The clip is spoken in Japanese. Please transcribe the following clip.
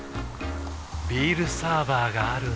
ビールサーバーがある夏。